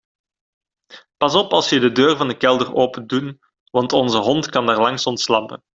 Pas op als je de deur van de kelder opendoen want onze hond kan daarlangs ontsnappen.